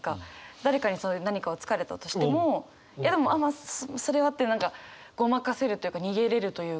誰かにそういう何かを突かれたとしてもいやでもまあそれはって何かごまかせるというか逃げれるというか。